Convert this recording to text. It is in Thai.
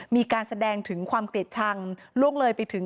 มีการแสดงถึงความเกลียดชังล่วงเลยไปถึง